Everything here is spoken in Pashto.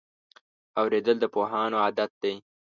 اورېدل د پوهانو عادت دی.